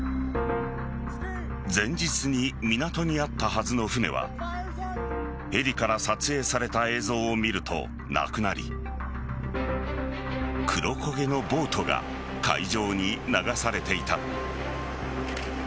前日に港にあったはずの船はヘリから撮影された映像を見るとなくなり黒焦げのボートが海上に流されていた。